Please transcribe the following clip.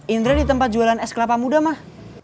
indra di tempat jualan es kelapa muda mah